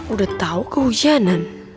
udah tau kehujanan